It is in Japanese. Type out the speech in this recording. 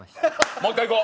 もう１回いこう！